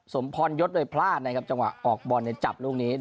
สมพรยศเลยพลาดนะครับจังหวะออกบอลเนี่ยจับลูกนี้